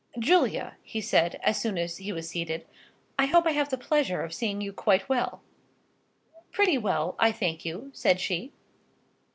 "Julia," he said, as soon as he was seated, "I hope I have the pleasure of seeing you quite well?" "Pretty well, I thank you," said she.